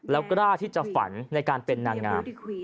แล้วกล้าที่จะฝันในการเป็นนางงาม